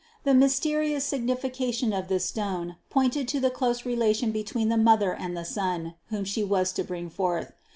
The mysterious signification of this stone pointed to the close relation between the Mother and the Son, whom She was to bring forth.